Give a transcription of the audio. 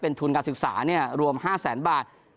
เป็นทุนการศึกษาเนี่ยรวม๕แสนบาท